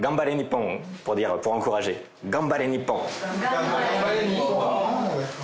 頑張れ、日本。